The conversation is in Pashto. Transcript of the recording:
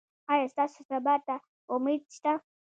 ایا ستاسو سبا ته امید شته؟